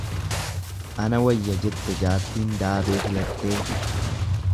Ana wayya jette jaartiin daabee filattee.